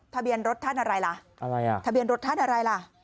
ทะเบียนรถท่านอะไรล่ะ